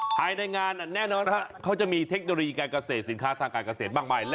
ภายในงานแน่นอนเขาจะมีเทคโนโลยีการเกษตรสินค้าทางการเกษตรมากมาย